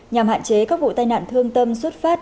nhằm hạn chế các vụ tai nạn thương tâm xuất phát